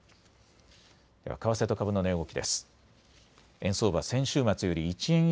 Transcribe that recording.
為替と株の値動きです。